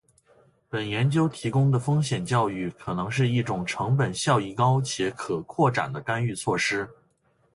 本研究提供的风险教育可能是一种成本效益高且可扩展的干预措施